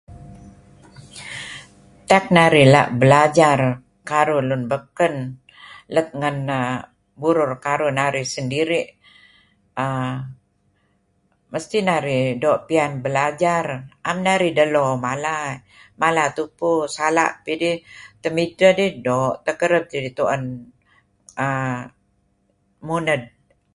Tak narih la' belajar karuh lun beken let ngan err karuh burur narih sendiri' err mesti narih doo' piyan belajar am narih delo mala dih mala tupu sala' pidih temidteh dih doo' tidih kereb tidih tu'en err nguned.